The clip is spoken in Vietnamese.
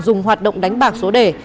dùng hoạt động đánh bạc số đề